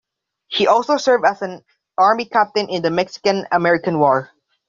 He also served as an army Captain in the Mexican-American War.